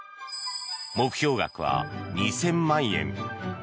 目標額は２０００万円。